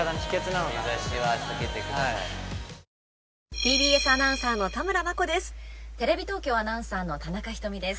ＴＢＳアナウンサーの田村真子です。